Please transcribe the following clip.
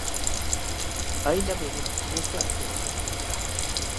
aínda menos nesta extensión